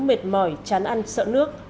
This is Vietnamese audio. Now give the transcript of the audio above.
mệt mỏi chán ăn sợ nước